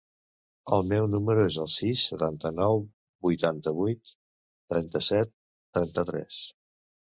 El meu número es el sis, setanta-nou, vuitanta-vuit, trenta-set, trenta-tres.